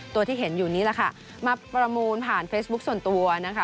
ที่เห็นอยู่นี้แหละค่ะมาประมูลผ่านเฟซบุ๊คส่วนตัวนะคะ